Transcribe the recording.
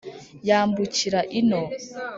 yambukira ino.